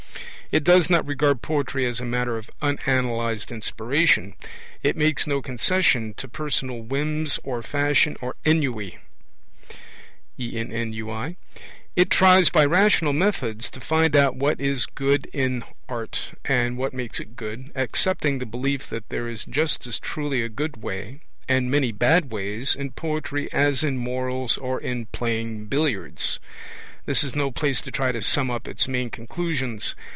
It does not regard poetry as a matter of unanalysed inspiration; it makes no concession to personal whims or fashion or ennui. It tries by rational methods to find out what is good in art and what makes it good, accepting the belief that there is just as truly a good way, and many bad ways, in poetry as in morals or in playing billiards. This is no place to try to sum up its main conclusions.